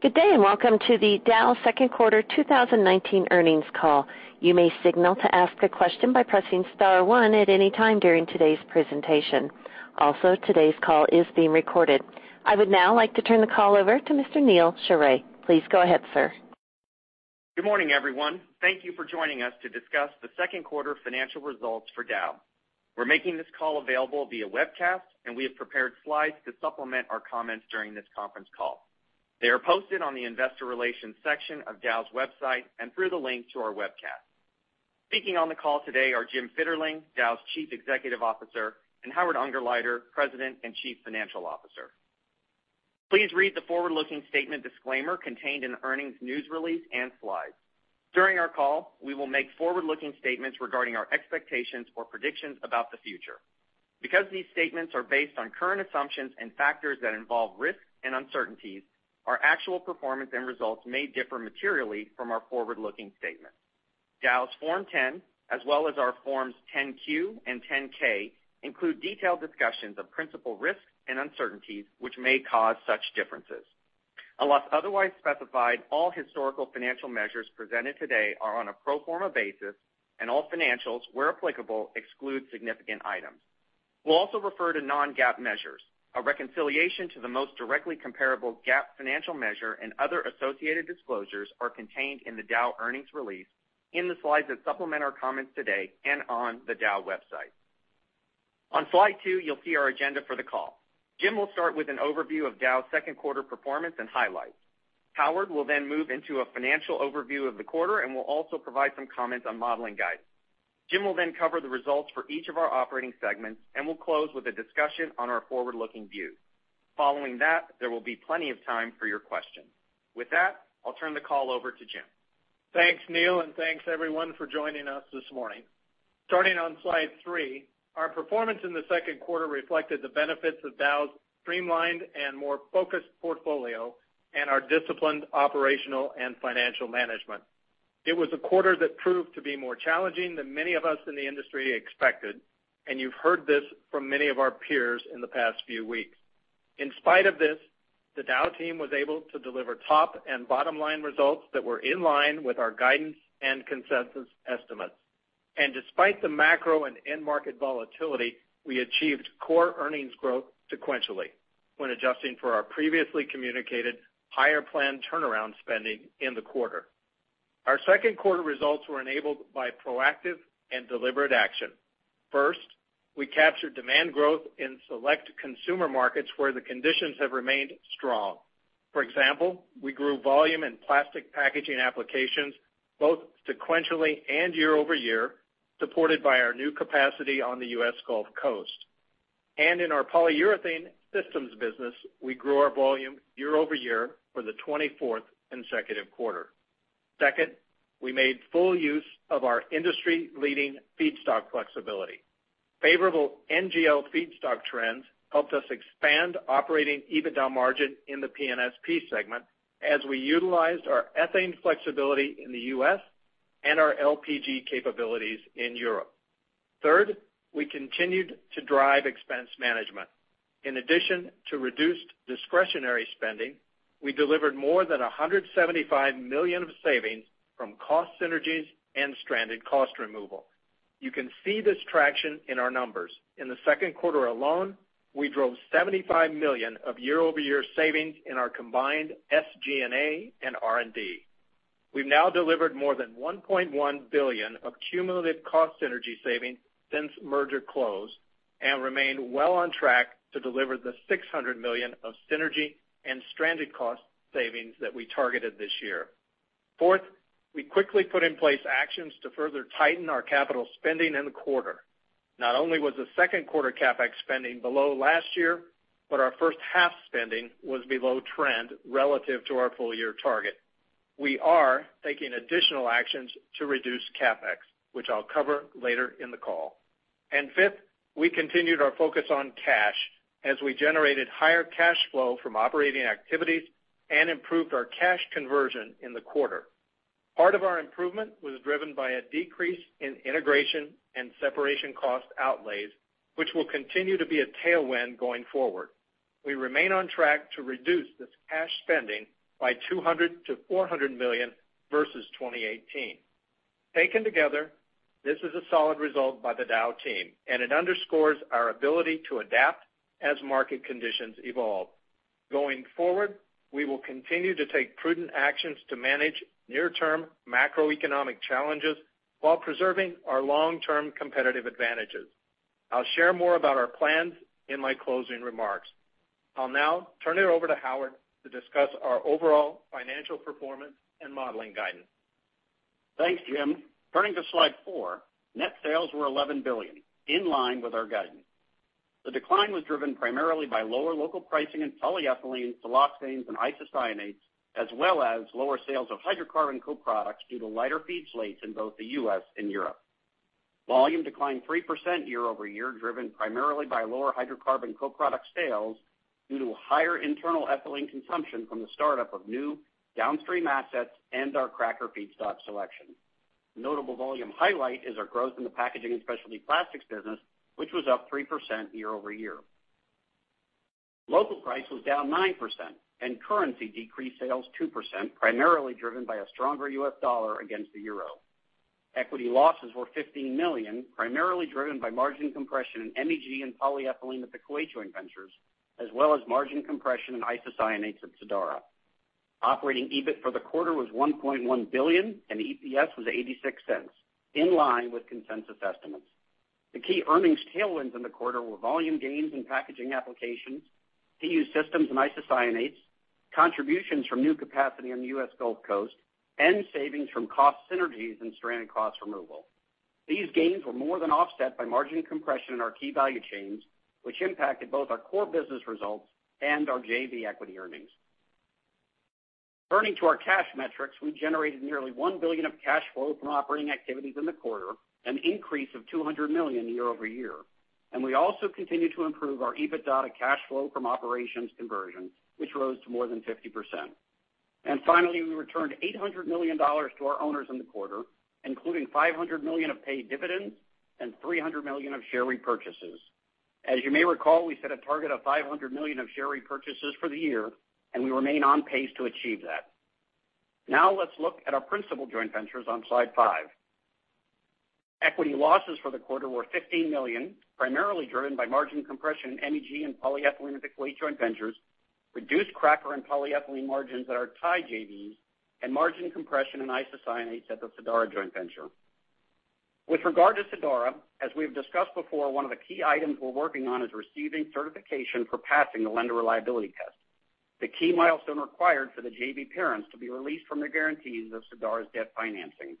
Good day, and welcome to the Dow second quarter 2019 earnings call. You may signal to ask a question by pressing star one at any time during today's presentation. Also, today's call is being recorded. I would now like to turn the call over to Mr. Neal Sheorey. Please go ahead, sir. Good morning, everyone. Thank you for joining us to discuss the second quarter financial results for Dow. We're making this call available via webcast, and we have prepared slides to supplement our comments during this conference call. They are posted on the investor relations section of Dow's website and through the link to our webcast. Speaking on the call today are Jim Fitterling, Dow's Chief Executive Officer, and Howard Ungerleider, President and Chief Financial Officer. Please read the forward-looking statement disclaimer contained in the earnings news release and slides. During our call, we will make forward-looking statements regarding our expectations or predictions about the future. Because these statements are based on current assumptions and factors that involve risks and uncertainties, our actual performance and results may differ materially from our forward-looking statements. Dow's Form 10, as well as our Forms 10-Q and 10-K, include detailed discussions of principal risks and uncertainties, which may cause such differences. Unless otherwise specified, all historical financial measures presented today are on a pro forma basis, and all financials, where applicable, exclude significant items. We'll also refer to non-GAAP measures. A reconciliation to the most directly comparable GAAP financial measure and other associated disclosures are contained in the Dow earnings release, in the slides that supplement our comments today, and on the Dow website. On Slide two, you'll see our agenda for the call. Jim will start with an overview of Dow's second quarter performance and highlights. Howard will then move into a financial overview of the quarter and will also provide some comments on modeling guidance. Jim will then cover the results for each of our operating segments and will close with a discussion on our forward-looking view. Following that, there will be plenty of time for your questions. With that, I'll turn the call over to Jim. Thanks, Neal, thanks, everyone, for joining us this morning. Starting on Slide 3, our performance in the second quarter reflected the benefits of Dow's streamlined and more focused portfolio and our disciplined operational and financial management. It was a quarter that proved to be more challenging than many of us in the industry expected. You've heard this from many of our peers in the past few weeks. In spite of this, the Dow team was able to deliver top and bottom-line results that were in line with our guidance and consensus estimates. Despite the macro and end market volatility, we achieved core earnings growth sequentially when adjusting for our previously communicated higher planned turnaround spending in the quarter. Our second quarter results were enabled by proactive and deliberate action. First, we captured demand growth in select consumer markets where the conditions have remained strong. For example, we grew volume in plastic packaging applications both sequentially and year-over-year, supported by our new capacity on the U.S. Gulf Coast. In our Polyurethane Systems business, we grew our volume year-over-year for the 24th consecutive quarter. Second, we made full use of our industry-leading feedstock flexibility. Favorable NGL feedstock trends helped us expand operating EBITDA margin in the P&SP segment as we utilized our ethane flexibility in the U.S. and our LPG capabilities in Europe. Third, we continued to drive expense management. In addition to reduced discretionary spending, we delivered more than $175 million of savings from cost synergies and stranded cost removal. You can see this traction in our numbers. In the second quarter alone, we drove $75 million of year-over-year savings in our combined SG&A and R&D. We've now delivered more than $1.1 billion of cumulative cost synergy savings since merger close and remain well on track to deliver the $600 million of synergy and stranded cost savings that we targeted this year. Fourth, we quickly put in place actions to further tighten our capital spending in the quarter. Not only was the second quarter CapEx spending below last year, but our first half spending was below trend relative to our full-year target. We are taking additional actions to reduce CapEx, which I'll cover later in the call. Fifth, we continued our focus on cash as we generated higher cash flow from operating activities and improved our cash conversion in the quarter. Part of our improvement was driven by a decrease in integration and separation cost outlays, which will continue to be a tailwind going forward. We remain on track to reduce this cash spending by $200 million-$400 million versus 2018. Taken together, this is a solid result by the Dow team, and it underscores our ability to adapt as market conditions evolve. Going forward, we will continue to take prudent actions to manage near-term macroeconomic challenges while preserving our long-term competitive advantages. I'll share more about our plans in my closing remarks. I'll now turn it over to Howard to discuss our overall financial performance and modeling guidance. Thanks, Jim. Turning to Slide 4, net sales were $11 billion, in line with our guidance. The decline was driven primarily by lower local pricing in polyethylene, siloxanes, and isocyanates, as well as lower sales of hydrocarbon co-products due to lighter feed slates in both the U.S. and Europe. Volume declined 3% year-over-year, driven primarily by lower hydrocarbon co-product sales due to higher internal ethylene consumption from the startup of new downstream assets and our cracker feedstock selection. Notable volume highlight is our growth in the Packaging & Specialty Plastics business, which was up 3% year-over-year. Local price was down 9% and currency decreased sales 2%, primarily driven by a stronger U.S. dollar against the euro. Equity losses were $15 million, primarily driven by margin compression in MEG and polyethylene at the Kuwait joint ventures, as well as margin compression in isocyanates at Sadara. Operating EBIT for the quarter was $1.1 billion and EPS was $0.86, in line with consensus estimates. The key earnings tailwinds in the quarter were volume gains in packaging applications, Polyurethane Systems and isocyanates, contributions from new capacity on the U.S. Gulf Coast, and savings from cost synergies and stranded cost removal. These gains were more than offset by margin compression in our key value chains, which impacted both our core business results and our JV equity earnings. Turning to our cash metrics, we generated nearly $1 billion of cash flow from operating activities in the quarter, an increase of $200 million year-over-year. We also continued to improve our EBITDA to cash flow from operations conversion, which rose to more than 50%. Finally, we returned $800 million to our owners in the quarter, including $500 million of paid dividends and $300 million of share repurchases. As you may recall, we set a target of $500 million of share repurchases for the year, and we remain on pace to achieve that. Now let's look at our principal joint ventures on slide five. Equity losses for the quarter were $15 million, primarily driven by margin compression in MEG and polyethylene at the Kuwait joint ventures, reduced cracker and polyethylene margins at our Thai JVs, and margin compression in isocyanates at the Sadara joint venture. With regard to Sadara, as we've discussed before, one of the key items we're working on is receiving certification for passing the lender reliability test, the key milestone required for the JV parents to be released from their guarantees of Sadara's debt financing.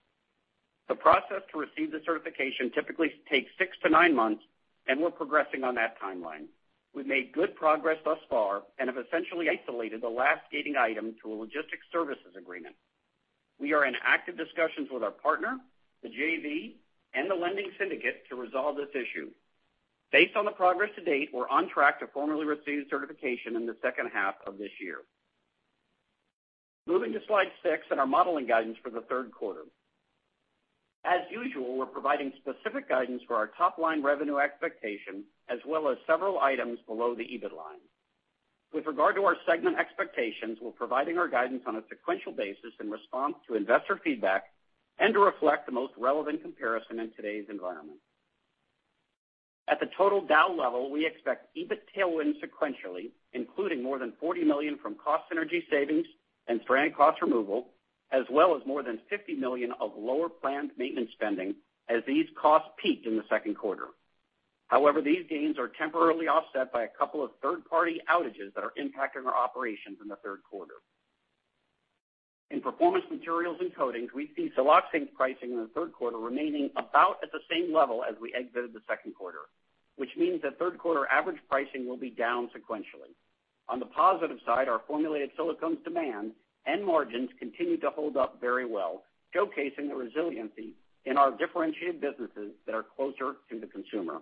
The process to receive the certification typically takes 6-9 months. We're progressing on that timeline. We've made good progress thus far and have essentially isolated the last gating item to a logistics services agreement. We are in active discussions with our partner, the JV, and the lending syndicate to resolve this issue. Based on the progress to date, we're on track to formally receive certification in the second half of this year. Moving to slide six and our modeling guidance for the third quarter. As usual, we're providing specific guidance for our top-line revenue expectation as well as several items below the EBIT line. With regard to our segment expectations, we're providing our guidance on a sequential basis in response to investor feedback and to reflect the most relevant comparison in today's environment. At the total Dow level, we expect EBIT tailwind sequentially, including more than $40 million from cost synergy savings and stranded cost removal, as well as more than $50 million of lower planned maintenance spending as these costs peaked in the second quarter. These gains are temporarily offset by a couple of third-party outages that are impacting our operations in the third quarter. In Performance Materials & Coatings, we see siloxane pricing in the third quarter remaining about at the same level as we exited the second quarter, which means that third-quarter average pricing will be down sequentially. On the positive side, our formulated silicones demand and margins continue to hold up very well, showcasing the resiliency in our differentiated businesses that are closer to the consumer.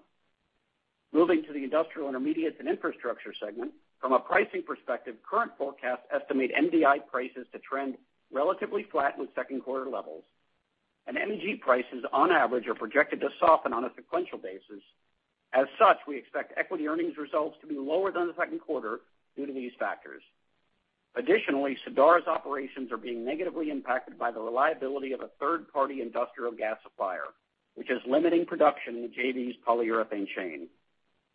Moving to the Industrial Intermediates & Infrastructure segment. From a pricing perspective, current forecasts estimate MDI prices to trend relatively flat with second-quarter levels, and MEG prices on average are projected to soften on a sequential basis. As such, we expect equity earnings results to be lower than the second quarter due to these factors. Additionally, Sadara's operations are being negatively impacted by the reliability of a third-party industrial gas supplier, which is limiting production in the JV's polyurethane chain.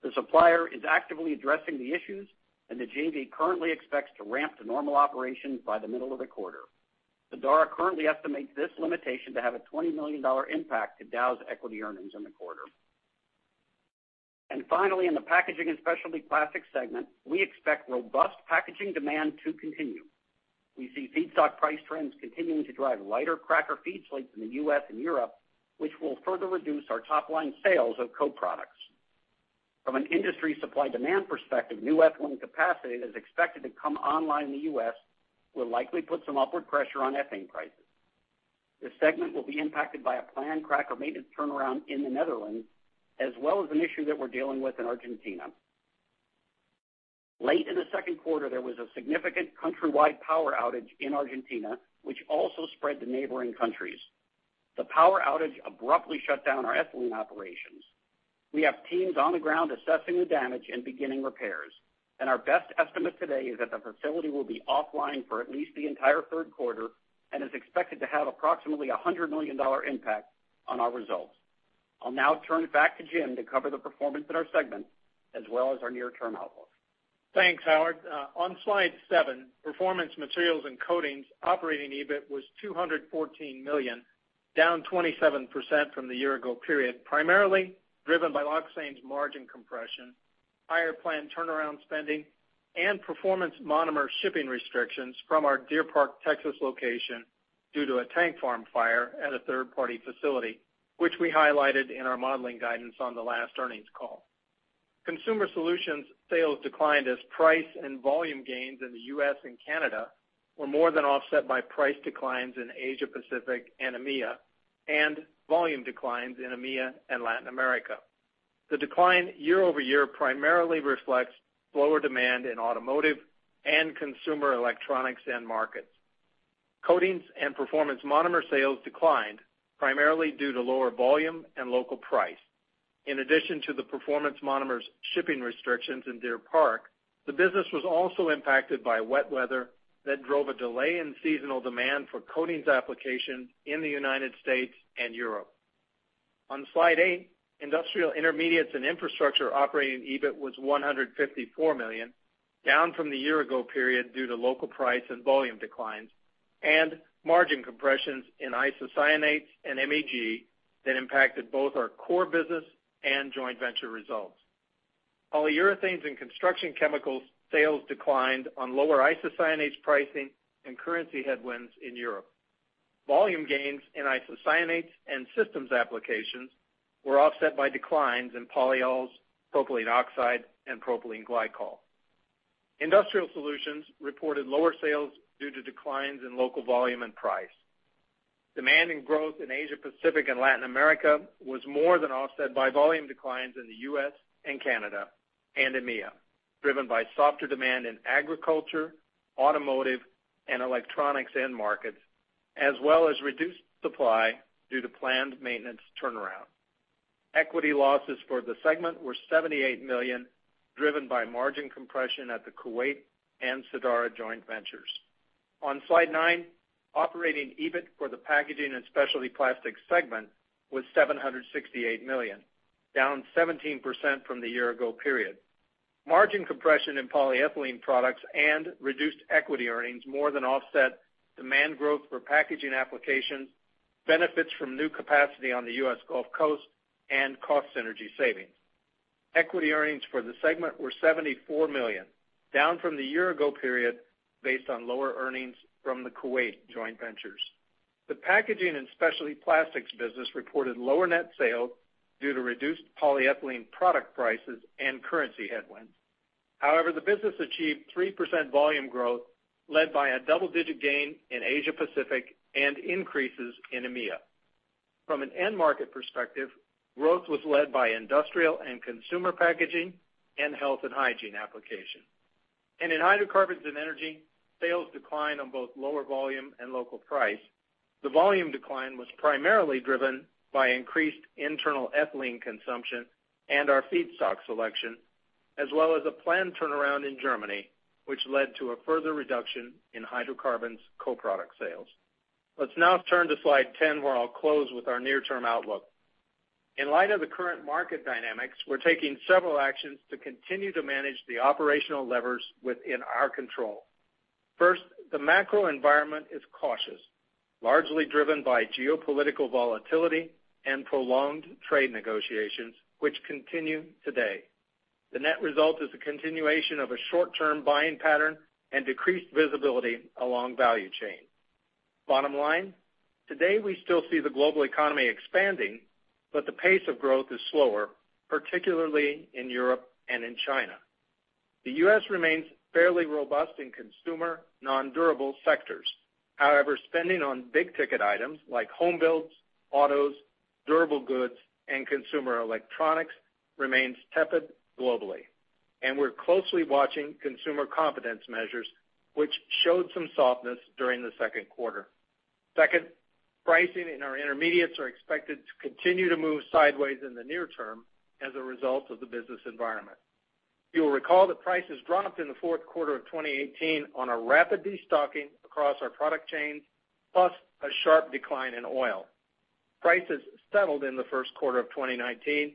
The supplier is actively addressing the issues, and the JV currently expects to ramp to normal operations by the middle of the quarter. Sadara currently estimates this limitation to have a $20 million impact to Dow's equity earnings in the quarter. In the Packaging & Specialty Plastics segment, we expect robust packaging demand to continue. We see feedstock price trends continuing to drive lighter cracker feed slates in the U.S. and Europe, which will further reduce our top-line sales of co-products. From an industry supply-demand perspective, new ethylene capacity that is expected to come online in the U.S. will likely put some upward pressure on ethane prices. This segment will be impacted by a planned cracker maintenance turnaround in the Netherlands, as well as an issue that we're dealing with in Argentina. Late in the second quarter, there was a significant countrywide power outage in Argentina, which also spread to neighboring countries. The power outage abruptly shut down our ethylene operations. We have teams on the ground assessing the damage and beginning repairs. Our best estimate today is that the facility will be offline for at least the entire third quarter and is expected to have approximately $100 million impact on our results. I'll now turn it back to Jim to cover the performance in our segments as well as our near-term outlook. Thanks, Howard. On slide seven, Performance Materials & Coatings operating EBIT was $214 million, down 27% from the year ago period, primarily driven by siloxanes margin compression, higher planned turnaround spending, and performance monomer shipping restrictions from our Deer Park, Texas, location due to a tank farm fire at a third-party facility, which we highlighted in our modeling guidance on the last earnings call. Consumer Solutions sales declined as price and volume gains in the U.S. and Canada were more than offset by price declines in Asia Pacific and EMEA and volume declines in EMEA and Latin America. The decline year-over-year primarily reflects lower demand in automotive and consumer electronics end markets. Coatings and performance monomer sales declined primarily due to lower volume and local price. In addition to the Performance Monomers shipping restrictions in Deer Park, the business was also impacted by wet weather that drove a delay in seasonal demand for coatings application in the U.S. and Europe. On slide eight, Industrial Intermediates & Infrastructure operating EBIT was $154 million, down from the year ago period due to local price and volume declines and margin compressions in isocyanates and MEG that impacted both our core business and joint venture results. Polyurethanes & Construction Chemicals sales declined on lower isocyanates pricing and currency headwinds in Europe. Volume gains in isocyanates and systems applications were offset by declines in polyols, propylene oxide and propylene glycol. Industrial Solutions reported lower sales due to declines in local volume and price. Demand and growth in Asia Pacific and Latin America was more than offset by volume declines in the U.S. and Canada and EMEA, driven by softer demand in agriculture, automotive, and electronics end markets, as well as reduced supply due to planned maintenance turnaround. Equity losses for the segment were $78 million, driven by margin compression at the Kuwait and Sadara joint ventures. On slide nine, operating EBIT for the Packaging & Specialty Plastics segment was $768 million, down 17% from the year-ago period. Margin compression in polyethylene products and reduced equity earnings more than offset demand growth for packaging applications, benefits from new capacity on the U.S. Gulf Coast and cost synergy savings. Equity earnings for the segment were $74 million, down from the year-ago period based on lower earnings from the Kuwait joint ventures. The Packaging & Specialty Plastics business reported lower net sales due to reduced polyethylene product prices and currency headwinds. The business achieved 3% volume growth, led by a double-digit gain in Asia Pacific and increases in EMEA. From an end market perspective, growth was led by industrial and consumer packaging and health and hygiene application. In Hydrocarbons & Energy, sales declined on both lower volume and local price. The volume decline was primarily driven by increased internal ethylene consumption and our feedstock selection, as well as a planned turnaround in Germany, which led to a further reduction in hydrocarbons co-product sales. Let's now turn to slide 10, where I'll close with our near-term outlook. In light of the current market dynamics, we're taking several actions to continue to manage the operational levers within our control. First, the macro environment is cautious, largely driven by geopolitical volatility and prolonged trade negotiations, which continue today. The net result is a continuation of a short-term buying pattern and decreased visibility along value chain. Bottom line, today, we still see the global economy expanding, but the pace of growth is slower, particularly in Europe and in China. The U.S. remains fairly robust in consumer non-durable sectors. However, spending on big-ticket items like home builds, autos, durable goods, and consumer electronics remains tepid globally. We're closely watching consumer confidence measures, which showed some softness during the second quarter. Second, pricing in our intermediates are expected to continue to move sideways in the near term as a result of the business environment. You will recall that prices dropped in the fourth quarter of 2018 on a rapid destocking across our product chains, plus a sharp decline in oil. Prices settled in the first quarter of 2019,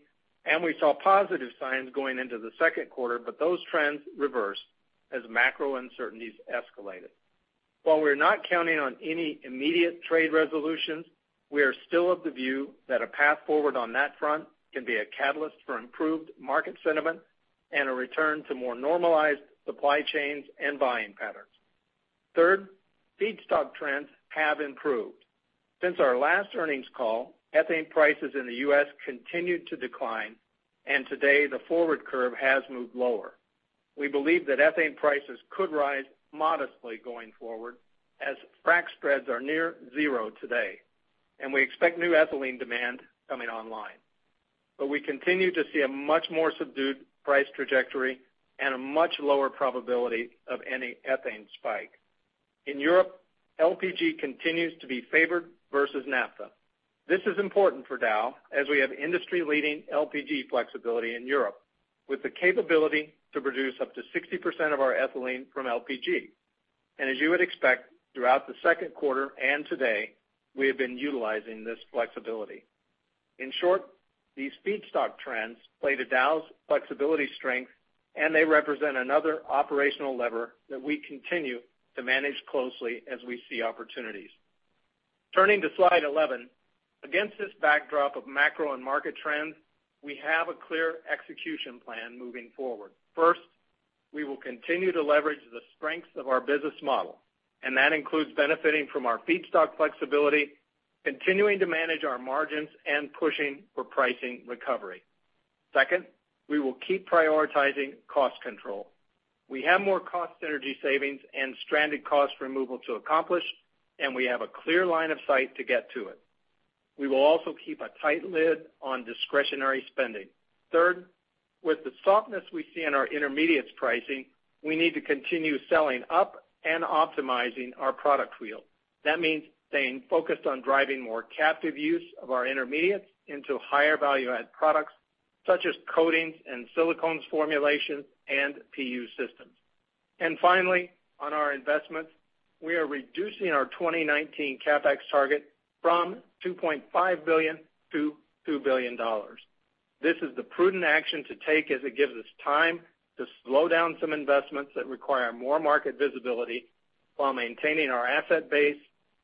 we saw positive signs going into the second quarter, those trends reversed as macro uncertainties escalated. While we're not counting on any immediate trade resolutions, we are still of the view that a path forward on that front can be a catalyst for improved market sentiment and a return to more normalized supply chains and buying patterns. Third, feedstock trends have improved. Since our last earnings call, ethane prices in the U.S. continued to decline, today the forward curve has moved lower. We believe that ethane prices could rise modestly going forward as frac spreads are near zero today, we expect new ethylene demand coming online. We continue to see a much more subdued price trajectory and a much lower probability of any ethane spike. In Europe, LPG continues to be favored versus Naphtha. This is important for Dow as we have industry-leading LPG flexibility in Europe with the capability to produce up to 60% of our ethylene from LPG. As you would expect, throughout the second quarter and today, we have been utilizing this flexibility. In short, these feedstock trends play to Dow's flexibility strength, and they represent another operational lever that we continue to manage closely as we see opportunities. Turning to slide 11. Against this backdrop of macro and market trends, we have a clear execution plan moving forward. First, we will continue to leverage the strengths of our business model, and that includes benefiting from our feedstock flexibility, continuing to manage our margins, and pushing for pricing recovery. Second, we will keep prioritizing cost control. We have more cost synergy savings and stranded cost removal to accomplish, and we have a clear line of sight to get to it. We will also keep a tight lid on discretionary spending. With the softness we see in our intermediates pricing, we need to continue selling up and optimizing our product wheel. That means staying focused on driving more captive use of our intermediates into higher value-add products, such as coatings and silicones formulations, and PU systems. Finally, on our investments, we are reducing our 2019 CapEx target from $2.5 billion to $2 billion. This is the prudent action to take as it gives us time to slow down some investments that require more market visibility while maintaining our asset base,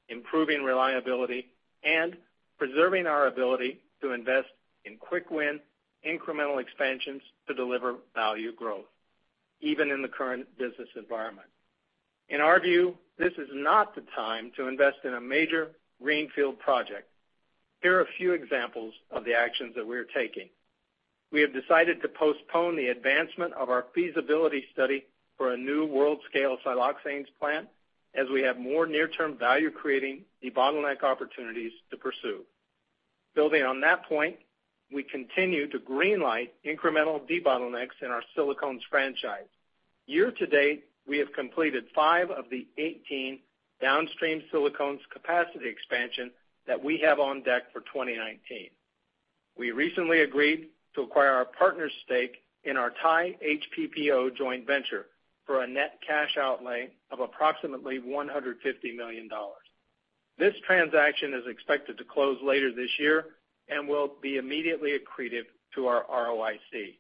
improving reliability, and preserving our ability to invest in quick-win incremental expansions to deliver value growth, even in the current business environment. In our view, this is not the time to invest in a major greenfield project. Here are a few examples of the actions that we're taking. We have decided to postpone the advancement of our feasibility study for a new world-scale siloxanes plant, as we have more near-term value creating debottleneck opportunities to pursue. Building on that point, we continue to green-light incremental debottlenecks in our silicones franchise. Year-to-date, we have completed five of the 18 downstream silicones capacity expansion that we have on deck for 2019. We recently agreed to acquire our partner's stake in our Thai HPPO joint venture for a net cash outlay of approximately $150 million. This transaction is expected to close later this year and will be immediately accretive to our ROIC.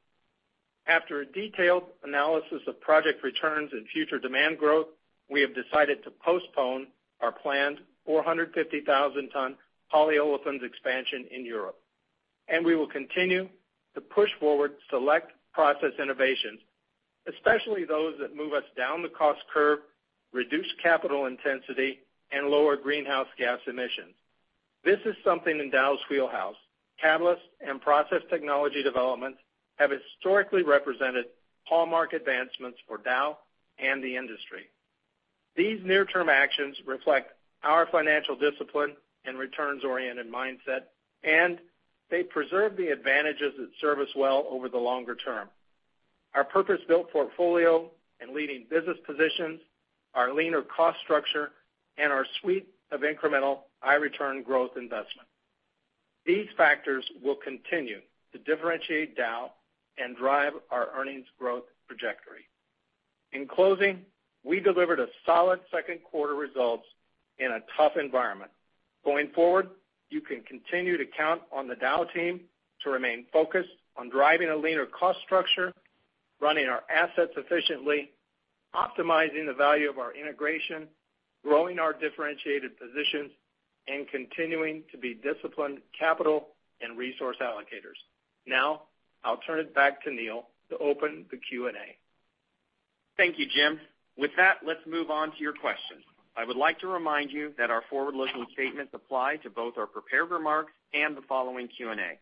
After a detailed analysis of project returns and future demand growth, we have decided to postpone our planned 450,000-ton polyolefins expansion in Europe. We will continue to push forward select process innovations, especially those that move us down the cost curve, reduce capital intensity, and lower greenhouse gas emissions. This is something in Dow's wheelhouse. Catalyst and process technology development have historically represented hallmark advancements for Dow and the industry. These near-term actions reflect our financial discipline and returns-oriented mindset, and they preserve the advantages that serve us well over the longer term. Our purpose-built portfolio and leading business positions, our leaner cost structure, and our suite of incremental high-return growth investment. These factors will continue to differentiate Dow and drive our earnings growth trajectory. In closing, we delivered a solid second quarter results in a tough environment. Going forward, you can continue to count on the Dow team to remain focused on driving a leaner cost structure, running our assets efficiently, optimizing the value of our integration, growing our differentiated positions, and continuing to be disciplined capital and resource allocators. Now, I'll turn it back to Neal to open the Q&A. Thank you, Jim. With that, let's move on to your questions. I would like to remind you that our forward-looking statements apply to both our prepared remarks and the following Q&A.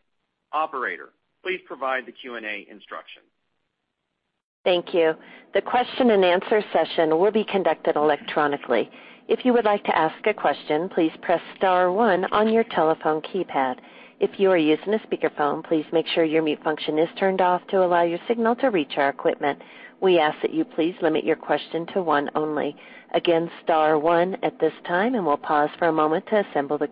Operator, please provide the Q&A instruction. Thank you. The question and answer session will be conducted electronically. If you would like to ask a question, please press *1 on your telephone keypad. If you are using a speakerphone, please make sure your mute function is turned off to allow your signal to reach our equipment. We ask that you please limit your question to one only. Again, *1 at this time, and we'll pause for a moment to assemble the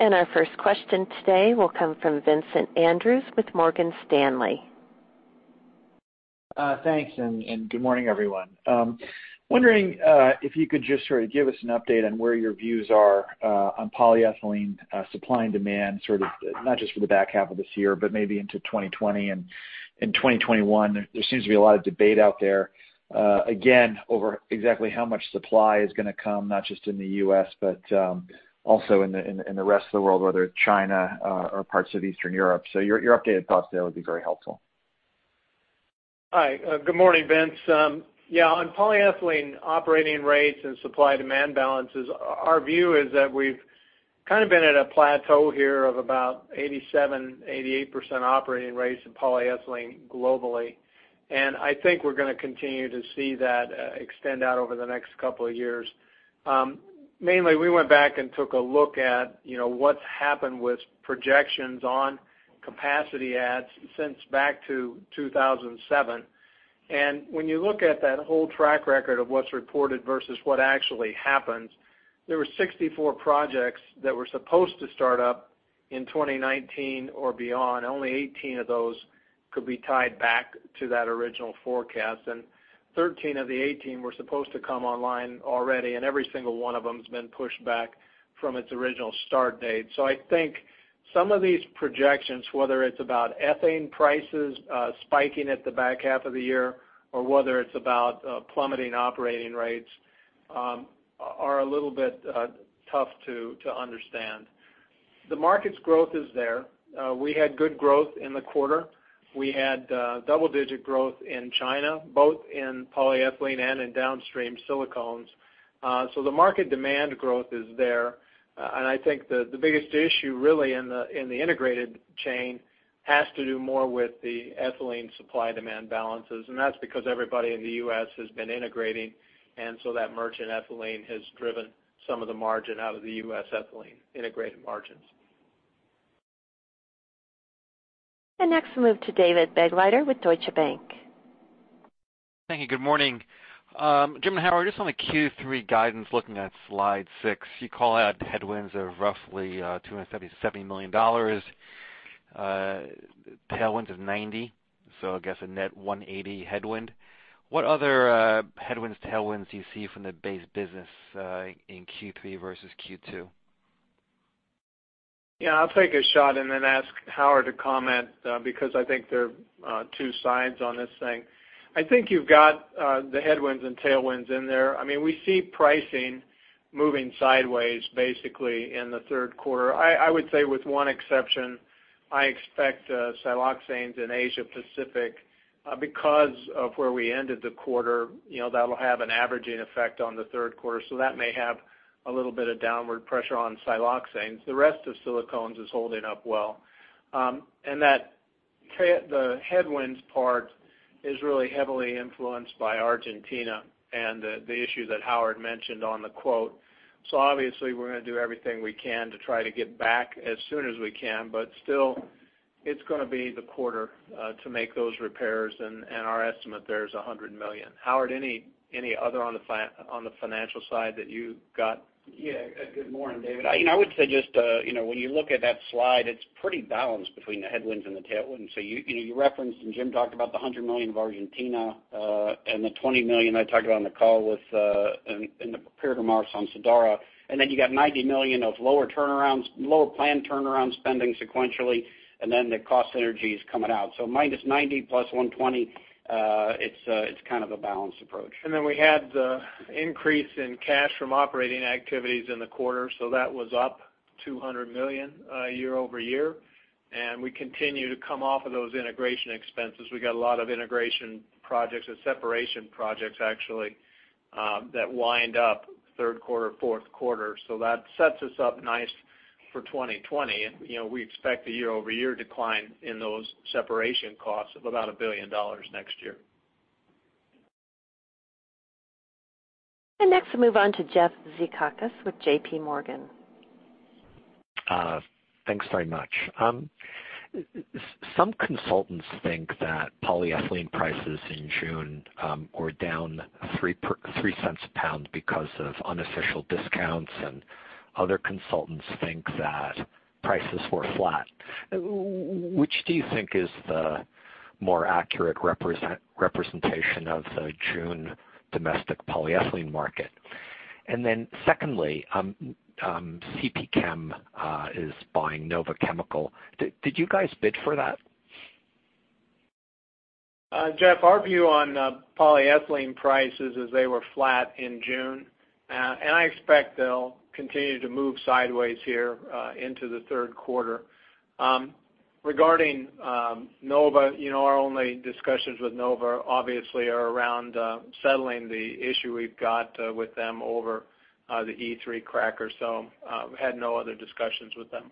queue. Our first question today will come from Vincent Andrews with Morgan Stanley. Thanks. Good morning, everyone. Wondering if you could just sort of give us an update on where your views are on polyethylene supply and demand, not just for the back half of this year, but maybe into 2020 and 2021. There seems to be a lot of debate out there, again, over exactly how much supply is going to come, not just in the U.S., but also in the rest of the world, whether it's China or parts of Eastern Europe. Your updated thoughts there would be very helpful. Hi. Good morning, Vince. Yeah, on polyethylene operating rates and supply-demand balances, our view is that we've kind of been at a plateau here of about 87%, 88% operating rates in polyethylene globally, and I think we're going to continue to see that extend out over the next couple of years. Mainly, we went back and took a look at what's happened with projections on capacity adds since back to 2007. When you look at that whole track record of what's reported versus what actually happened, there were 64 projects that were supposed to start up in 2019 or beyond. Only 18 of those could be tied back to that original forecast, and 13 of the 18 were supposed to come online already, and every single one of them has been pushed back from its original start date. I think some of these projections, whether it's about ethane prices spiking at the back half of the year or whether it's about plummeting operating rates, are a little bit tough to understand. The market's growth is there. We had good growth in the quarter. We had double-digit growth in China, both in polyethylene and in downstream silicones. The market demand growth is there. I think the biggest issue really in the integrated chain has to do more with the ethylene supply-demand balances, and that's because everybody in the U.S. has been integrating, and so that merchant ethylene has driven some of the margin out of the U.S. ethylene integrated margins. Next we'll move to David Begleiter with Deutsche Bank. Thank you. Good morning. Jim and Howard, just on the Q3 guidance, looking at slide six, you call out headwinds of roughly $270, $70 million. Tailwinds of $90 million. I guess a net $180 million headwind. What other headwinds, tailwinds do you see from the base business in Q3 versus Q2? I'll take a shot and then ask Howard to comment, there are two sides on this thing. I think you've got the headwinds and tailwinds in there. We see pricing moving sideways, basically, in the third quarter. I would say with one exception, I expect siloxanes in Asia Pacific because of where we ended the quarter. That'll have an averaging effect on the third quarter. That may have a little bit of downward pressure on siloxanes. The rest of silicones is holding up well. The headwinds part is really heavily influenced by Argentina and the issue that Howard mentioned on the quote. Obviously we're going to do everything we can to try to get back as soon as we can, still it's going to be the quarter to make those repairs. Our estimate there is $100 million. Howard, any other on the financial side that you got? Good morning, David. I would say just when you look at that slide, it's pretty balanced between the headwinds and the tailwinds. You referenced and Jim talked about the $100 million of Argentina, and the $20 million I talked about on the call with in the period remarks on Sadara, and then you got $90 million of lower planned turnaround spending sequentially, and then the cost synergies coming out. Minus $90 plus $120, it's kind of a balanced approach. We had the increase in cash from operating activities in the quarter. That was up $200 million year-over-year. We continue to come off of those integration expenses. We got a lot of integration projects, or separation projects actually, that wind up third quarter, fourth quarter. That sets us up nice for 2020. We expect a year-over-year decline in those separation costs of about $1 billion next year. Next we'll move on to Jeff Zekauskas with J.P. Morgan. Thanks very much. Some consultants think that polyethylene prices in June were down $0.03 a pound because of unofficial discounts. Other consultants think that prices were flat. Which do you think is the more accurate representation of the June domestic polyethylene market? Secondly, CP Chem is buying NOVA Chemicals. Did you guys bid for that? Jeff, our view on polyethylene prices is they were flat in June. I expect they'll continue to move sideways here into the third quarter. Regarding Nova, our only discussions with Nova obviously are around settling the issue we've got with them over the E3 cracker, so had no other discussions with them.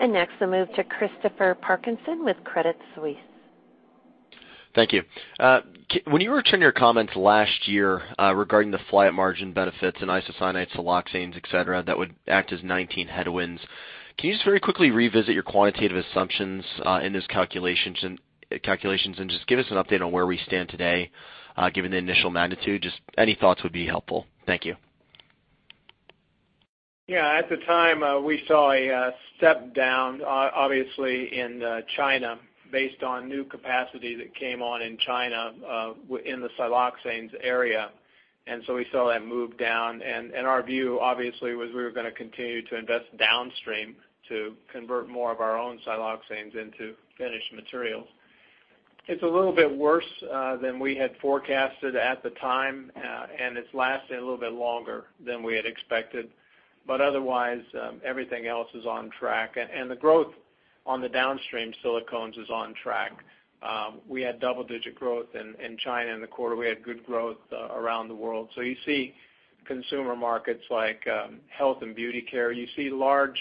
Next, we'll move to Christopher Parkinson with Credit Suisse. Thank you. When you return your comments last year regarding the flat margin benefits in isocyanates, siloxanes, et cetera, that would act as 2019 headwinds, can you just very quickly revisit your quantitative assumptions in those calculations and just give us an update on where we stand today, given the initial magnitude? Just any thoughts would be helpful. Thank you. Yeah. At the time, we saw a step down, obviously in China based on new capacity that came on in China in the siloxanes area. We saw that move down, and our view obviously was we were going to continue to invest downstream to convert more of our own siloxanes into finished materials. It's a little bit worse than we had forecasted at the time, and it's lasted a little bit longer than we had expected, but otherwise everything else is on track. The growth on the downstream silicones is on track. We had double-digit growth in China in the quarter. We had good growth around the world. You see consumer markets like health and beauty care. You see large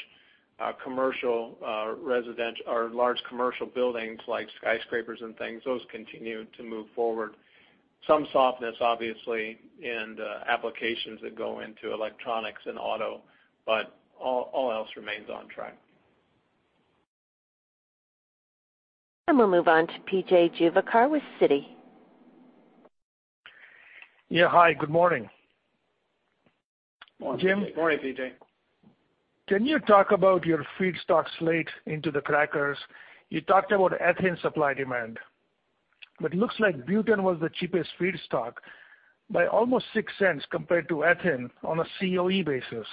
commercial buildings like skyscrapers and things. Those continue to move forward. Some softness, obviously, in the applications that go into electronics and auto, but all else remains on track. We'll move on to PJ Juvekar with Citi. Yeah. Hi, good morning. Morning, PJ. Morning, PJ. Can you talk about your feedstock slate into the crackers? You talked about ethane supply demand, looks like butane was the cheapest feedstock by almost $0.06 compared to ethane on a COE basis.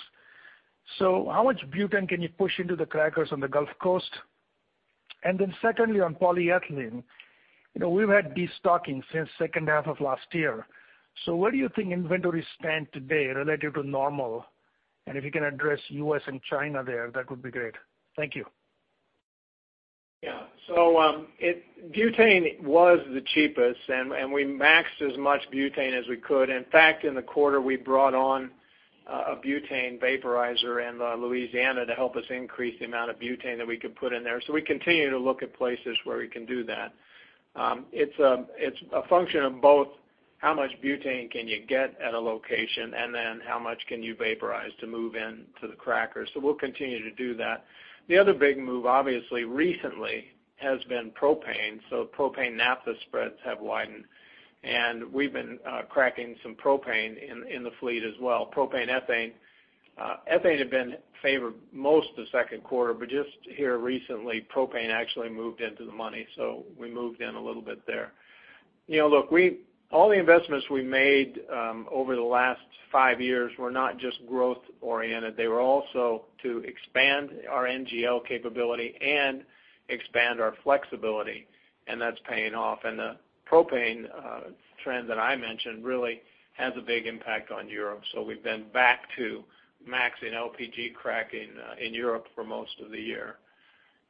How much butane can you push into the crackers on the Gulf Coast? Secondly, on polyethylene, we've had destocking since second half of last year. Where do you think inventories stand today relative to normal? If you can address U.S. and China there, that would be great. Thank you. Butane was the cheapest, and we maxed as much butane as we could. In fact, in the quarter, we brought on a butane vaporizer in Louisiana to help us increase the amount of butane that we could put in there. We continue to look at places where we can do that. It's a function of both how much butane can you get at a location and then how much can you vaporize to move into the cracker. We'll continue to do that. The other big move, obviously, recently, has been propane. Propane/naphtha spreads have widened, and we've been cracking some propane in the fleet as well. Propane, ethane. Ethane had been favored most of the second quarter, but just here recently, propane actually moved into the money. We moved in a little bit there. Look, all the investments we made over the last five years were not just growth oriented. They were also to expand our NGL capability and expand our flexibility. That's paying off. The propane trend that I mentioned really has a big impact on Europe. We've been back to maxing LPG cracking in Europe for most of the year.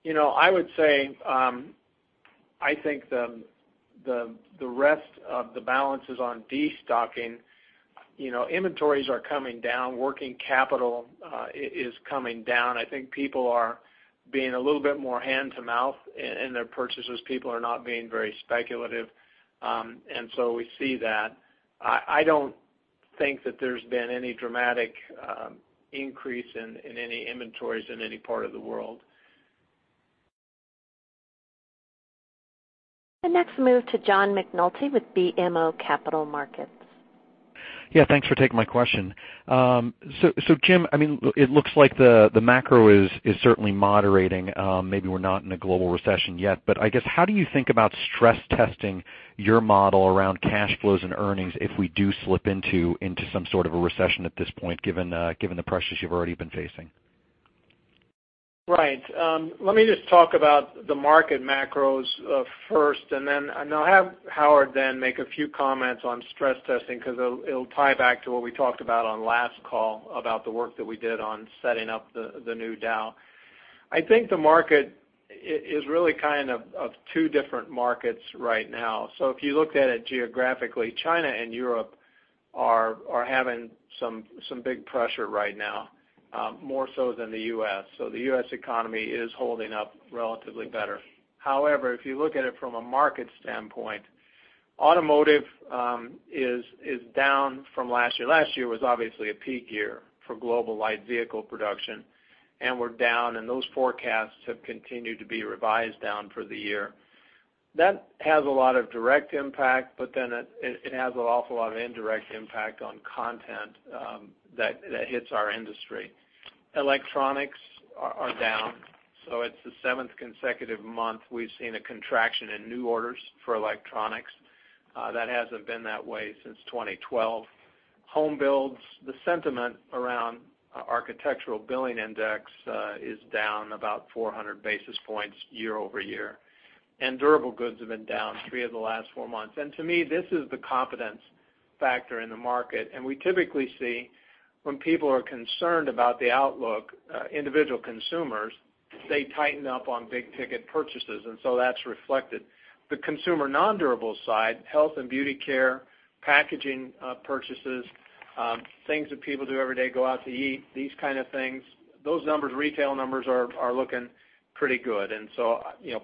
I would say, I think the rest of the balance is on destocking. Inventories are coming down. Working capital is coming down. I think people are being a little bit more hand to mouth in their purchases. People are not being very speculative. We see that. I don't think that there's been any dramatic increase in any inventories in any part of the world. Let's next move to John McNulty with BMO Capital Markets. Yeah, thanks for taking my question. Jim, it looks like the macro is certainly moderating. Maybe we're not in a global recession yet, I guess, how do you think about stress testing your model around cash flows and earnings if we do slip into some sort of a recession at this point, given the pressures you've already been facing? Right. Let me just talk about the market macros first, and then I'll have Howard then make a few comments on stress testing, because it'll tie back to what we talked about on last call about the work that we did on setting up the new Dow. I think the market is really kind of two different markets right now. If you looked at it geographically, China and Europe are having some big pressure right now, more so than the U.S. The U.S. economy is holding up relatively better. However, if you look at it from a market standpoint, automotive is down from last year. Last year was obviously a peak year for global light vehicle production, and we're down, and those forecasts have continued to be revised down for the year. That has a lot of direct impact, but then it has an awful lot of indirect impact on content that hits our industry. Electronics are down, so it's the seventh consecutive month we've seen a contraction in new orders for electronics. That hasn't been that way since 2012. Home builds, the sentiment around Architecture Billings Index is down about 400 basis points year-over-year. Durable goods have been down three of the last four months. To me, this is the confidence factor in the market. We typically see when people are concerned about the outlook, individual consumers, they tighten up on big-ticket purchases, and so that's reflected. The consumer non-durable side, health and beauty care, packaging purchases, things that people do every day, go out to eat, these kind of things, those retail numbers are looking pretty good.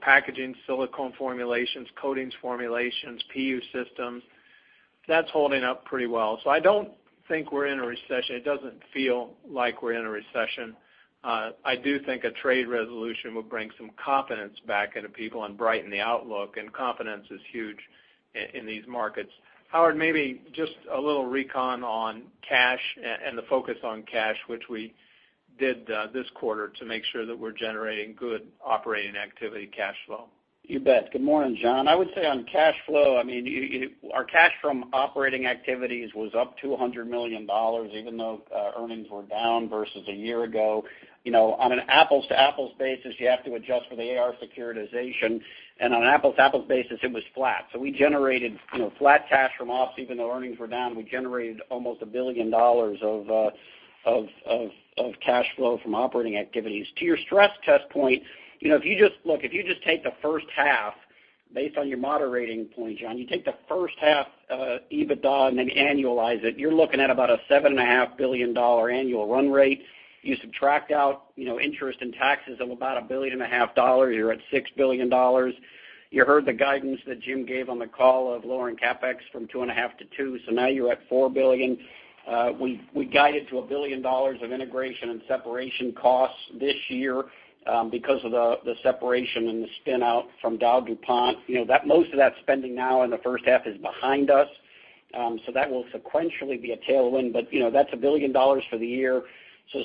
Packaging, silicone formulations, coatings formulations, PU systems, that's holding up pretty well. I don't think we're in a recession. It doesn't feel like we're in a recession. I do think a trade resolution would bring some confidence back into people and brighten the outlook, and confidence is huge in these markets. Howard, maybe just a little recon on cash and the focus on cash, which we did this quarter to make sure that we're generating good operating activity cash flow. You bet. Good morning, John. I would say on cash flow, our cash from operating activities was up $200 million, even though earnings were down versus a year ago. On an apples-to-apples basis, you have to adjust for the AR securitization. On an apples-to-apples basis, it was flat. We generated flat cash from ops even though earnings were down. We generated almost $1 billion of cash flow from operating activities. To your stress test point, if you just take the first half based on your moderating point, John, you take the first half EBITDA and then you annualize it, you're looking at about a $7.5 billion annual run rate. You subtract out interest and taxes of about $1.5 billion, you're at $6 billion. You heard the guidance that Jim gave on the call of lowering CapEx from $2.5 billion to $2 billion, now you're at $4 billion. We guided to $1 billion of integration and separation costs this year because of the separation and the spin out from DowDuPont. Most of that spending now in the first half is behind us. That will sequentially be a tailwind, but that's $1 billion for the year.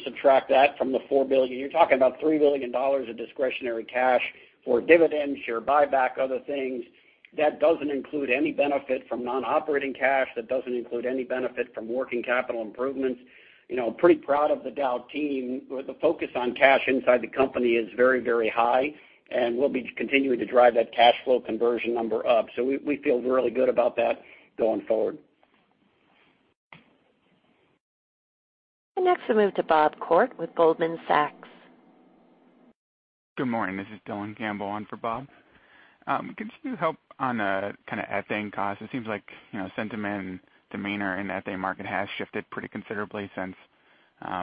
Subtract that from the $4 billion. You're talking about $3 billion of discretionary cash for dividends, your buyback, other things. That doesn't include any benefit from non-operating cash. That doesn't include any benefit from working capital improvements. I'm pretty proud of the Dow team. The focus on cash inside the company is very high, and we'll be continuing to drive that cash flow conversion number up. We feel really good about that going forward. Next, we move to Bob Koort with Goldman Sachs. Good morning. This is Dylan Campbell on for Bob. Could you help on the kind of ethane cost? It seems like sentiment and demeanor in the ethane market has shifted pretty considerably since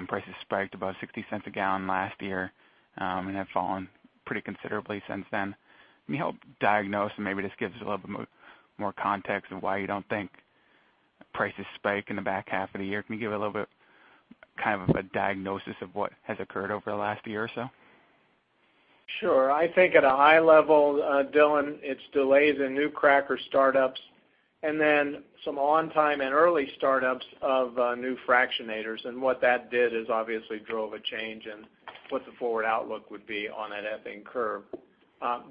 prices spiked above $0.60 a gallon last year and have fallen pretty considerably since then. Can you help diagnose and maybe just give us a little bit more context of why you don't think prices spike in the back half of the year? Can you give a little bit kind of a diagnosis of what has occurred over the last year or so? Sure. I think at a high level, Dylan, it's delays in new cracker startups, and then some on-time and early startups of new fractionators. What that did is obviously drove a change in what the forward outlook would be on that ethane curve.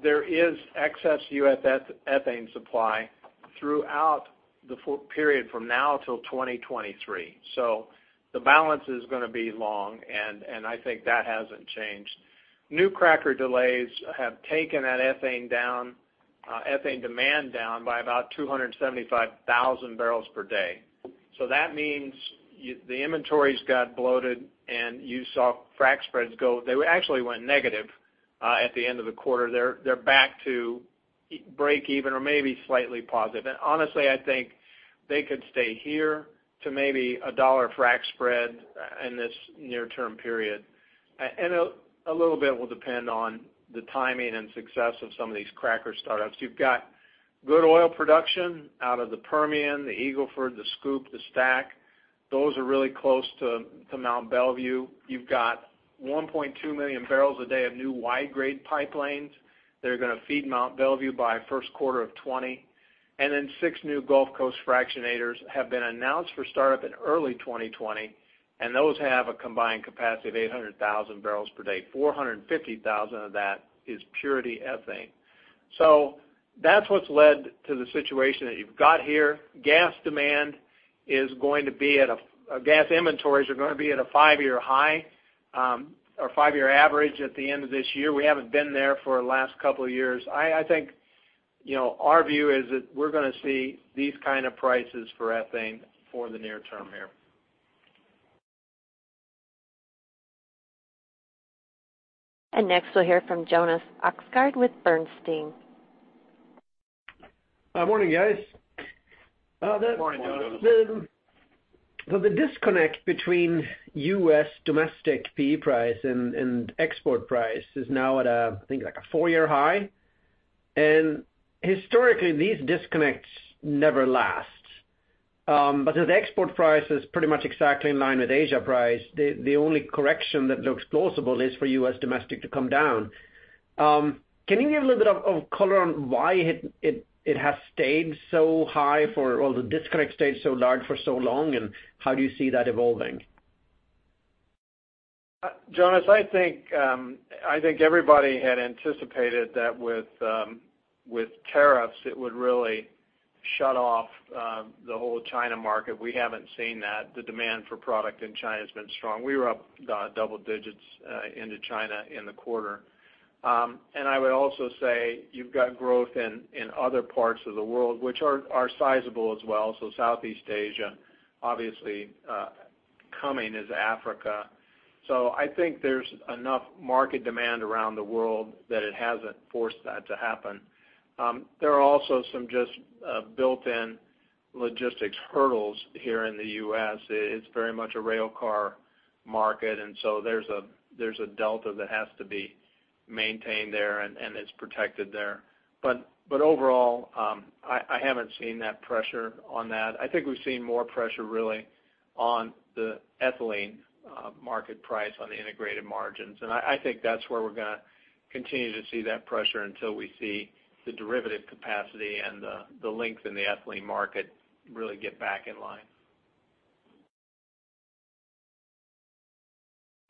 There is excess U.S. ethane supply throughout the period from now till 2023. The balance is going to be long, and I think that hasn't changed. New cracker delays have taken that ethane demand down by about 275,000 barrels per day. That means the inventories got bloated, and you saw frac spreads. They actually went negative at the end of the quarter. They're back to break even or maybe slightly positive. Honestly, I think they could stay here to maybe a dollar frac spread in this near-term period. A little bit will depend on the timing and success of some of these cracker startups. You've got good oil production out of the Permian, the Eagle Ford, the Scoop, the Stack. Those are really close to Mont Belvieu. You've got 1.2 million barrels a day of new wide-grade pipelines that are going to feed Mont Belvieu by first quarter of 2020. Six new Gulf Coast fractionators have been announced for startup in early 2020, and those have a combined capacity of 800,000 barrels per day. 450,000 of that is purity ethane. That's what's led to the situation that you've got here. Gas inventories are going to be at a five-year high, or five-year average, at the end of this year. We haven't been there for the last couple of years. I think our view is that we're going to see these kind of prices for ethane for the near term here. Next, we'll hear from Jonas Oxgaard with Bernstein. Morning, guys. Morning, Jonas. The disconnect between U.S. domestic PE price and export price is now at, I think, like a four-year high. Historically, these disconnects never last. As export price is pretty much exactly in line with Asia price, the only correction that looks plausible is for U.S. domestic to come down. Can you give a little bit of color on why it has stayed so high or the disconnect stayed so large for so long, and how do you see that evolving? Jonas, I think everybody had anticipated that with tariffs, it would really shut off the whole China market. We haven't seen that. The demand for product in China has been strong. We were up double digits into China in the quarter. I would also say you've got growth in other parts of the world, which are sizable as well, Southeast Asia, obviously, coming is Africa. I think there's enough market demand around the world that it hasn't forced that to happen. There are also some just built-in logistics hurdles here in the U.S. It's very much a rail car market, and so there's a delta that has to be maintained there, and it's protected there. Overall, I haven't seen that pressure on that. I think we've seen more pressure really on the ethylene market price on the integrated margins. I think that's where we're going to continue to see that pressure until we see the derivative capacity and the length in the ethylene market really get back in line.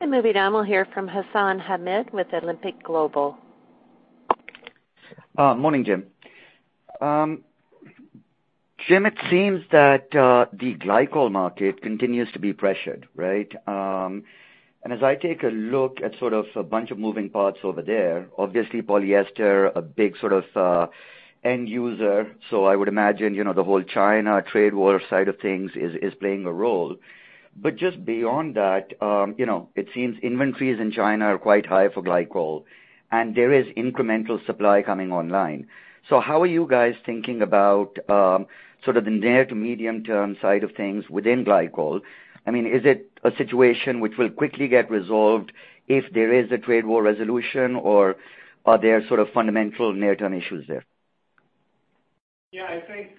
Moving on, we'll hear from Hassan Ahmed with Alembic Global Advisors. Morning, Jim. It seems that the glycol market continues to be pressured, right? As I take a look at sort of a bunch of moving parts over there, obviously polyester, a big sort of end user. I would imagine, the whole China trade war side of things is playing a role. Just beyond that, it seems inventories in China are quite high for glycol, and there is incremental supply coming online. How are you guys thinking about sort of the near to medium-term side of things within glycol? Is it a situation which will quickly get resolved if there is a trade war resolution, or are there sort of fundamental near-term issues there? Yeah, I think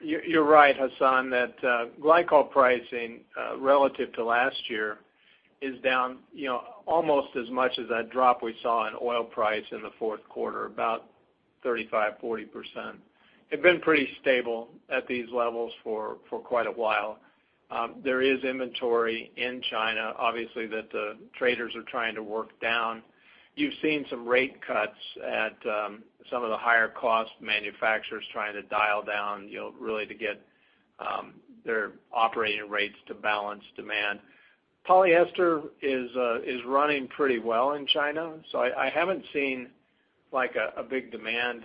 you're right, Hassan, that glycol pricing relative to last year is down almost as much as that drop we saw in oil price in the fourth quarter, about 35%-40%. They've been pretty stable at these levels for quite a while. There is inventory in China, obviously, that the traders are trying to work down. You've seen some rate cuts at some of the higher-cost manufacturers trying to dial down really to get their operating rates to balance demand. Polyester is running pretty well in China. I haven't seen a big demand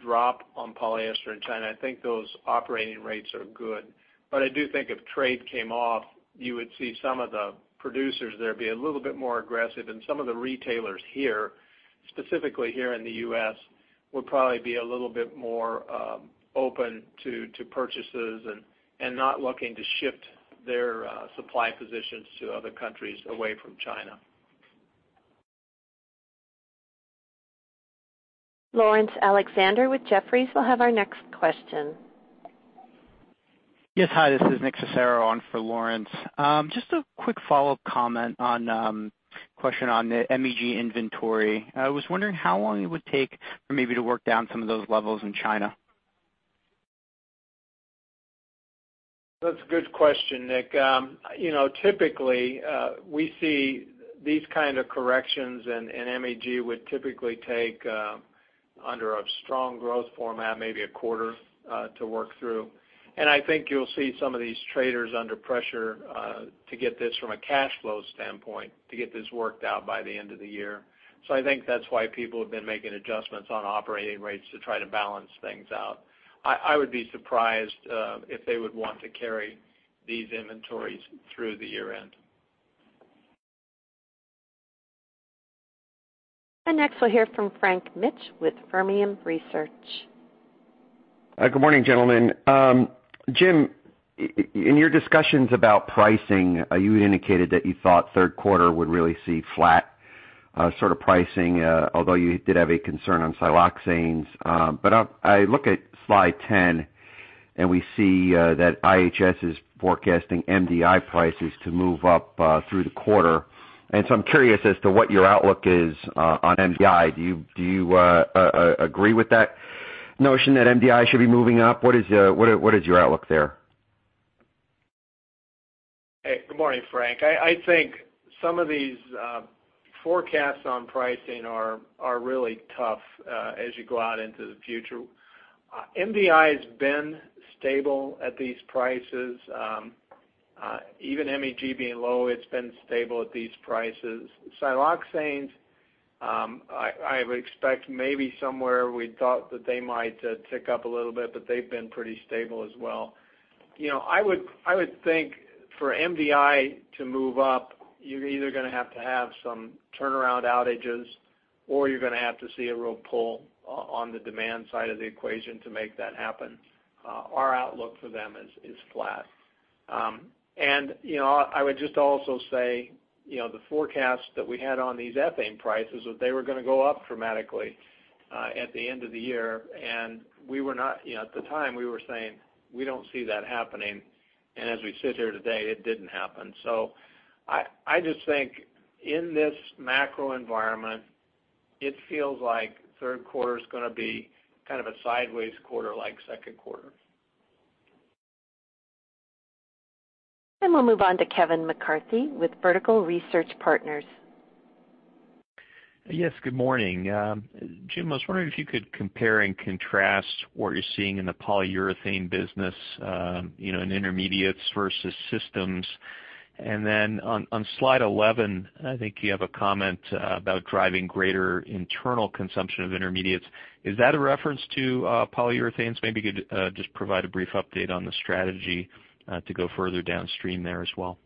drop on polyester in China. I think those operating rates are good. I do think if trade came off, you would see some of the producers there be a little bit more aggressive. Some of the retailers here, specifically here in the U.S., would probably be a little bit more open to purchases and not looking to shift their supply positions to other countries away from China. Laurence Alexander with Jefferies will have our next question. Yes. Hi, this is Nick Cecero on for Laurence. Just a quick follow-up question on the MEG inventory. I was wondering how long it would take for maybe to work down some of those levels in China. That's a good question, Nick. Typically, we see these kind of corrections. MEG would typically take under a strong growth format, maybe a quarter to work through. I think you'll see some of these traders under pressure to get this from a cash flow standpoint, to get this worked out by the end of the year. I think that's why people have been making adjustments on operating rates to try to balance things out. I would be surprised if they would want to carry these inventories through the year-end. Next we'll hear from Frank Mitsch with Fermium Research. Good morning, gentlemen. Jim, in your discussions about pricing, you had indicated that you thought third quarter would really see flat sort of pricing, although you did have a concern on siloxanes. I look at slide 10, and we see that IHS is forecasting MDI prices to move up through the quarter. I'm curious as to what your outlook is on MDI. Do you agree with that notion that MDI should be moving up? What is your outlook there? Hey, good morning, Frank. I think some of these forecasts on pricing are really tough as you go out into the future. MDI's been stable at these prices. Even MEG being low, it's been stable at these prices. Siloxanes, I would expect maybe somewhere we'd thought that they might tick up a little bit, but they've been pretty stable as well. I would think for MDI to move up, you're either going to have to have some turnaround outages, or you're going to have to see a real pull on the demand side of the equation to make that happen. Our outlook for them is flat. I would just also say, the forecast that we had on these ethane prices was they were going to go up dramatically at the end of the year. At the time, we were saying, "We don't see that happening." As we sit here today, it didn't happen. I just think in this macro environment, it feels like third quarter's going to be kind of a sideways quarter like second quarter. We'll move on to Kevin McCarthy with Vertical Research Partners. Yes, good morning. Jim, I was wondering if you could compare and contrast what you're seeing in the polyurethane business, in intermediates versus systems. On slide 11, I think you have a comment about driving greater internal consumption of intermediates. Is that a reference to polyurethanes? Maybe you could just provide a brief update on the strategy to go further downstream there as well.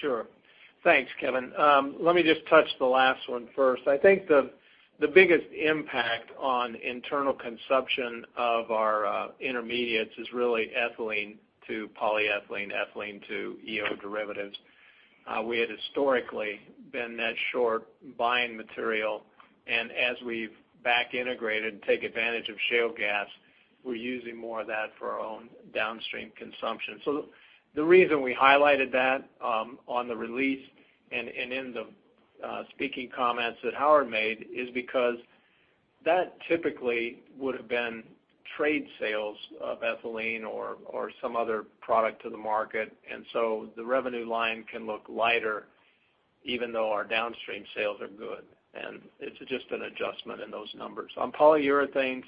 Sure. Thanks, Kevin. Let me just touch the last one first. I think the biggest impact on internal consumption of our intermediates is really ethylene to polyethylene, ethylene to EO derivatives. As we've back integrated and take advantage of shale gas, we're using more of that for our own downstream consumption. The reason we highlighted that on the release and in the speaking comments that Howard made is because that typically would've been trade sales of ethylene or some other product to the market. The revenue line can look lighter even though our downstream sales are good. It's just an adjustment in those numbers. On polyurethanes,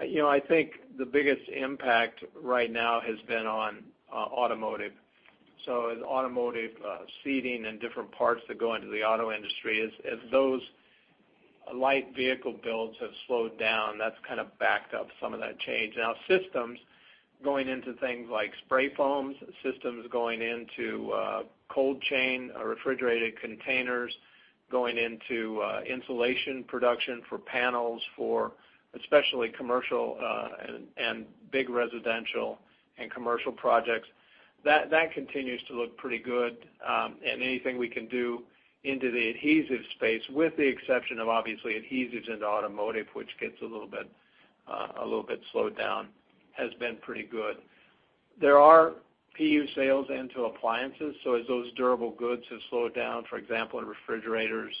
I think the biggest impact right now has been on automotive. As automotive seating and different parts that go into the auto industry, as those light vehicle builds have slowed down, that's kind of backed up some of that change. Systems going into things like spray foams, systems going into cold chain or refrigerated containers, going into insulation production for panels, for especially commercial and big residential and commercial projects, that continues to look pretty good. Anything we can do into the adhesive space, with the exception of obviously adhesives into automotive, which gets a little bit slowed down, has been pretty good. There are PU sales into appliances, so as those durable goods have slowed down, for example, in refrigerators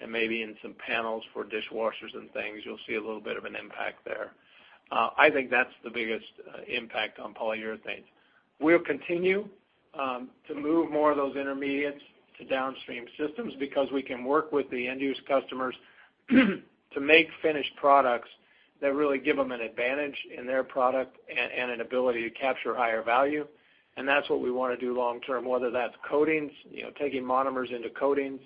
and maybe in some panels for dishwashers and things, you'll see a little bit of an impact there. I think that's the biggest impact on polyurethanes. We'll continue to move more of those intermediates to downstream systems because we can work with the end-use customers to make finished products. That really give them an advantage in their product and an ability to capture higher value. That's what we want to do long term, whether that's coatings, taking monomers into coatings,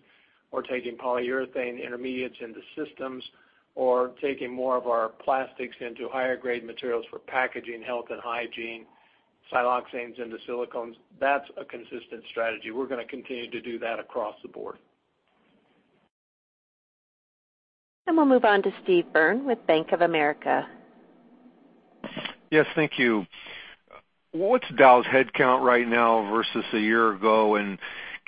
or taking polyurethane intermediates into systems, or taking more of our plastics into higher grade materials for packaging, health and hygiene, siloxanes into silicones. That's a consistent strategy. We're going to continue to do that across the board. We'll move on to Steve Byrne with Bank of America. Yes, thank you. What's Dow's headcount right now versus a year ago?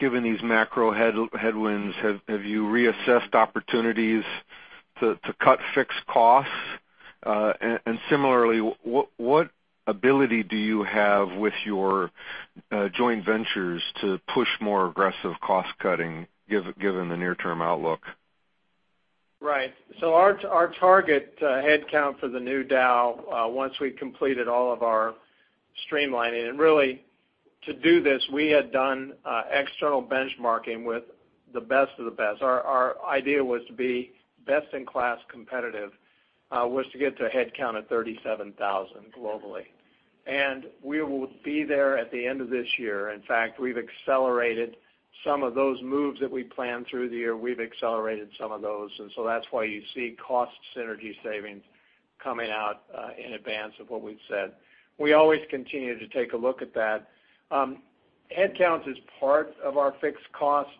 Given these macro headwinds, have you reassessed opportunities to cut fixed costs? Similarly, what ability do you have with your joint ventures to push more aggressive cost cutting, given the near-term outlook? Our target headcount for the new Dow, once we completed all of our streamlining, and really to do this, we had done external benchmarking with the best of the best. Our idea was to be best in class competitive, was to get to a headcount of 37,000 globally. We will be there at the end of this year. In fact, we've accelerated some of those moves that we planned through the year. We've accelerated some of those, that's why you see cost synergy savings coming out in advance of what we've said. We always continue to take a look at that. Headcount is part of our fixed cost,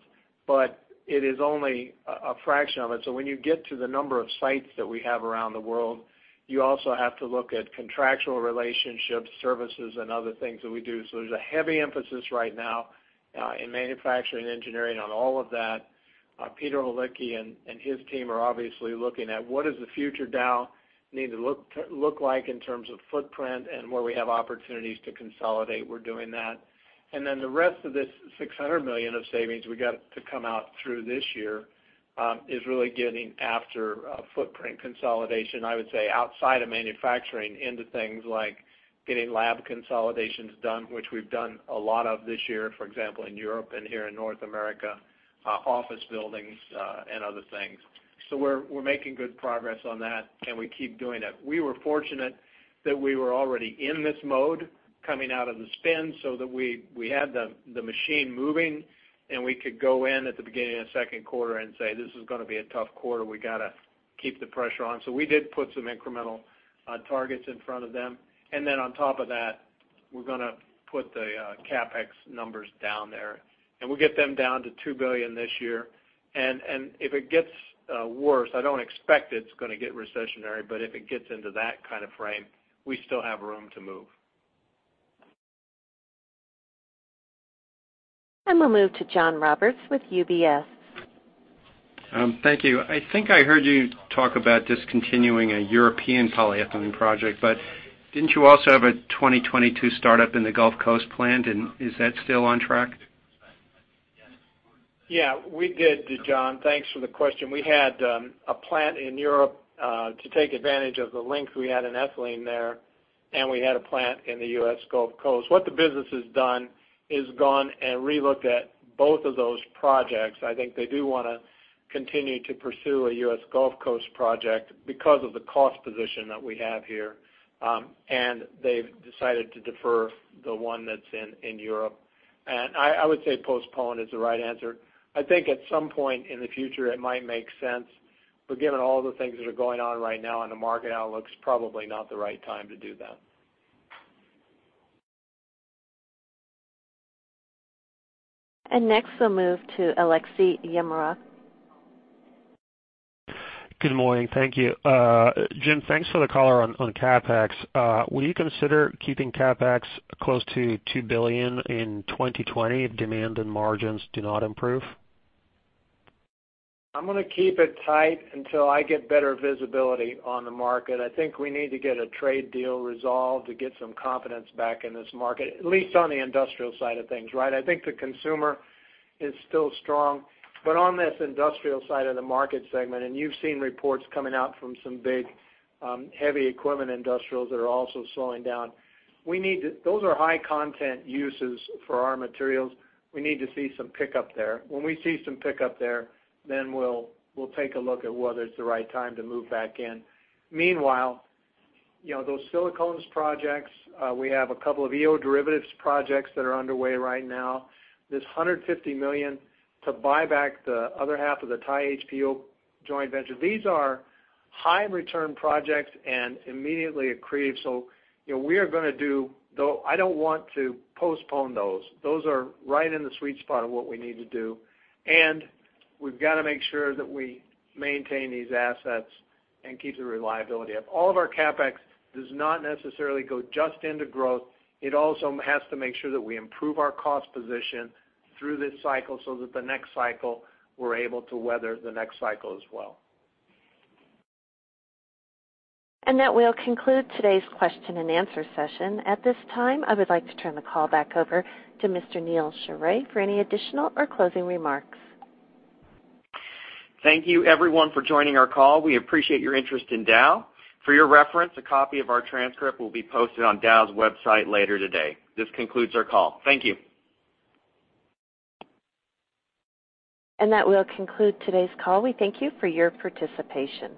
but it is only a fraction of it. When you get to the number of sites that we have around the world, you also have to look at contractual relationships, services, and other things that we do. There's a heavy emphasis right now in manufacturing, engineering, on all of that. Peter Tice and his team are obviously looking at what does the future Dow need to look like in terms of footprint and where we have opportunities to consolidate. We're doing that. Then the rest of this $600 million of savings we got to come out through this year, is really getting after footprint consolidation, I would say outside of manufacturing into things like getting lab consolidations done, which we've done a lot of this year, for example, in Europe and here in North America, office buildings, and other things. We're making good progress on that, and we keep doing it. We were fortunate that we were already in this mode coming out of the spin so that we had the machine moving, and we could go in at the beginning of the second quarter and say, "This is going to be a tough quarter. We got to keep the pressure on." We did put some incremental targets in front of them. On top of that, we're going to put the CapEx numbers down there, and we'll get them down to $2 billion this year. If it gets worse, I don't expect it's going to get recessionary, but if it gets into that kind of frame, we still have room to move. We'll move to John Roberts with UBS. Thank you. I think I heard you talk about discontinuing a European polyethylene project, but didn't you also have a 2022 startup in the Gulf Coast planned? Is that still on track? Yeah, we did, John. Thanks for the question. We had a plant in Europe to take advantage of the link we had in ethylene there, and we had a plant in the U.S. Gulf Coast. What the business has done is gone and relooked at both of those projects. I think they do want to continue to pursue a U.S. Gulf Coast project because of the cost position that we have here. They've decided to defer the one that's in Europe. I would say postpone is the right answer. I think at some point in the future, it might make sense, but given all the things that are going on right now and the market outlook, it's probably not the right time to do that. Next, we'll move to [Alexi Yimara]. Good morning. Thank you. Jim, thanks for the color on CapEx. Will you consider keeping CapEx close to $2 billion in 2020 if demand and margins do not improve? I'm going to keep it tight until I get better visibility on the market. I think we need to get a trade deal resolved to get some confidence back in this market, at least on the industrial side of things, right? I think the consumer is still strong. On this industrial side of the market segment, and you've seen reports coming out from some big, heavy equipment industrials that are also slowing down. Those are high content uses for our materials. We need to see some pickup there. When we see some pickup there, we'll take a look at whether it's the right time to move back in. Meanwhile, those silicones projects, we have a couple of EO derivatives projects that are underway right now. This $150 million to buy back the other half of the Thai HPPO joint venture. These are high return projects and immediately accretive. We are going to do, though, I don't want to postpone those. Those are right in the sweet spot of what we need to do, and we've got to make sure that we maintain these assets and keep the reliability up. All of our CapEx does not necessarily go just into growth. It also has to make sure that we improve our cost position through this cycle so that the next cycle, we're able to weather the next cycle as well. That will conclude today's question and answer session. At this time, I would like to turn the call back over to Mr. Neal Sheorey for any additional or closing remarks. Thank you everyone for joining our call. We appreciate your interest in Dow. For your reference, a copy of our transcript will be posted on Dow's website later today. This concludes our call. Thank you. That will conclude today's call. We thank you for your participation.